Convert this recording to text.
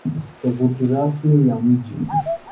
Tovuti Rasmi ya Mji